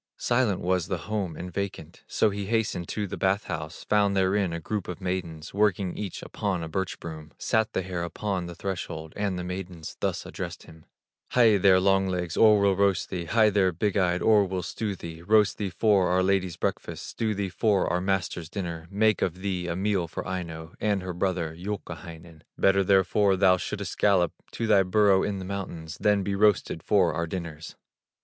Silent was the home, and vacant; So he hastened to the bath house, Found therein a group of maidens, Working each upon a birch broom. Sat the hare upon the threshold, And the maidens thus addressed him: "Hie there, Long legs, or we'll roast thee, Hie there, Big eye, or we'll stew thee, Roast thee for our lady's breakfast, Stew thee for our master's dinner, Make of thee a meal for Aino, And her brother, Youkahainen! Better therefore thou shouldst gallop To thy burrow in the mountains, Than be roasted for our dinners."